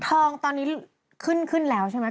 ทองตอนนี้ขึ้นขึ้นแล้วใช่ไหม